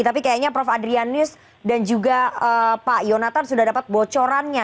tapi kayaknya prof adrianus dan juga pak yonatan sudah dapat bocorannya